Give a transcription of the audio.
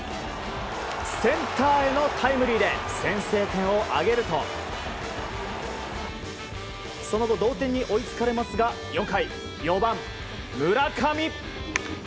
センターへのタイムリーで先制点を挙げるとその後、同点に追い付かれますが４回、４番、村上。